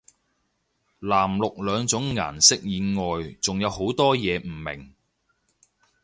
藍綠兩種顏色以外仲有好多嘢唔明